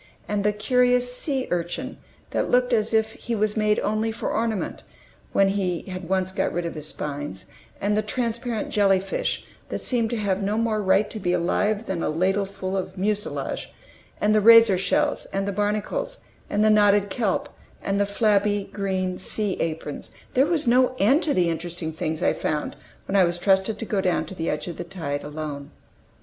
And the curious sea urchin, that looked as if he was made only for ornament, when he had once got rid of his spines, and the transparent jelly fish, that seemed to have no more right to be alive than a ladleful of mucilage, and the razor shells, and the barnacles, and the knotted kelp, and the flabby green sea aprons, there was no end to the interesting things I found when I was trusted to go down to the edge of the tide alone.